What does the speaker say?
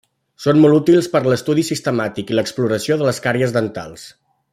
Són molt útils per a l'estudi sistemàtic i l'exploració de les càries dentals.